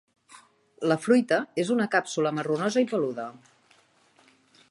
La fruita és una càpsula marronosa i peluda.